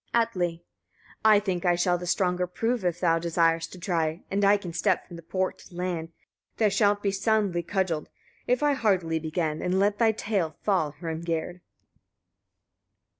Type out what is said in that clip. Atli. 21. I think I shall the stronger prove, if thou desirest to try; and I can step from the port to land. Thou shalt be soundly cudgeled, if I heartily begin, and let thy tail fall, Hrimgerd!